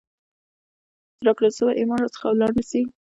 چي راکړل سوئ ایمان را څخه ولاړ نسي ،